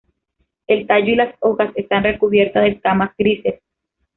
El tallo y las hojas están recubiertas de escamas grises.